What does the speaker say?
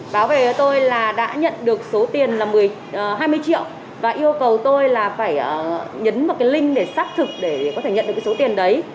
báo về tôi là đã nhận được số tiền là hai mươi triệu và yêu cầu tôi là phải nhấn một cái link để xác thực để có thể nhận được cái số tiền đấy